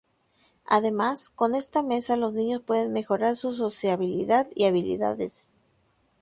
Además, con esta mesa los niños pueden mejorar su sociabilidad y habilidades.